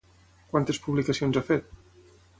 Quantes publicacions ha fet?